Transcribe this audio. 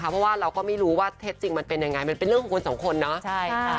เพราะว่าเราก็ไม่รู้ว่าเท็จจริงมันเป็นยังไงมันเป็นเรื่องของคนสองคนเนาะ